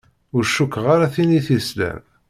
Ur cukkeɣ ara tella tin i s-yeslan.